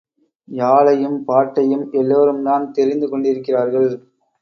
யாழையும் பாட்டையும் எல்லோரும்தான் தெரிந்து கொண்டிருக்கிறார்கள்!